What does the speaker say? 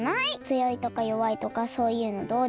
つよいとかよわいとかそういうのどうでもいい。